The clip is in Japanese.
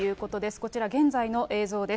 こちら、現在の映像です。